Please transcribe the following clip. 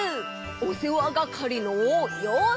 おせわがかりのようせい！